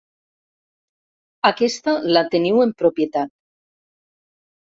Aquesta la teniu en propietat.